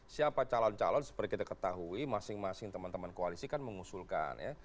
siapa calon calon seperti kita ketahui masing masing teman teman koalisi kan mengusulkan ya